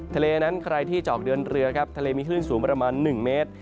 ทะเลนั้นใครที่จะออกเดินเรือครับทะเลมีคลื่นสูงประมาณ๑เมตร